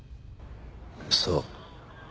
そう。